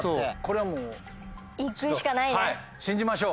信じましょう。